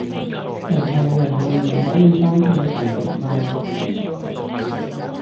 同埋人類唔可以單性繁殖嘛